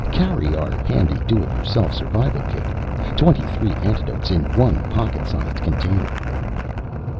Carry our handy Do It Yourself Survival Kit. Twenty three antidotes in one pocket sized container!